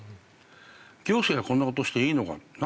行政がこんなことしていいのかな